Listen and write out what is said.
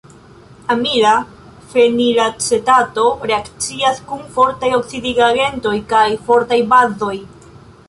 Amila fenilacetato reakcias kun fortaj oksidigagentoj kaj fortaj bazoj.